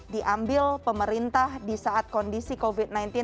diambil pemerintah di saat kondisi covid sembilan belas